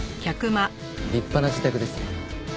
立派な自宅ですね。